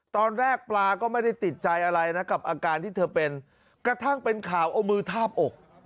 ตอนแรกปลาก็ไม่ได้ติดใจอะไรนะกับอาการที่เธอเป็นกระทั่งเป็นข่าวเอามือทาบอก